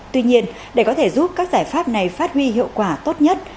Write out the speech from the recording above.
tuy nhiên để có thể giúp các giải pháp này phát huy hiệu quả tốt nhất